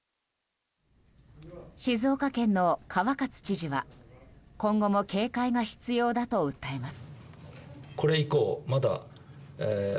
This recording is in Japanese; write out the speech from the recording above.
静岡県の川勝知事は今後も警戒が必要だと訴えます。